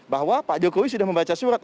bahwa pak jokowi sudah membaca surat